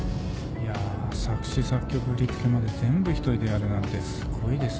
いや作詞作曲振り付けまで全部一人でやるなんてすごいですね。